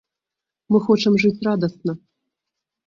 Мы хочам жыць радасна.